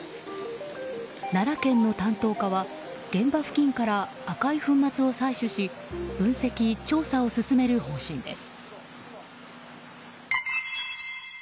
奈良県の担当課は現場付近から赤い粉末を採取し分析・調査を進める方針です。